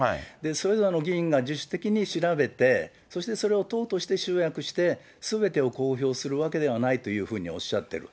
それぞれの議員が自主的に調べて、そしてそれを党として集約して、すべてを公表するわけではないというふうにおっしゃってる。